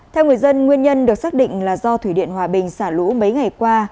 theo người dân nguyên nhân được xác định là do thủy điện hòa bình xả lũ mấy ngày qua